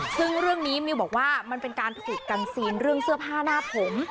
ซึ่งเรื่องนี้มิวบอกว่ามันเป็นการถูกกันซีนเรื่องเสื้อผ้าหน้าผม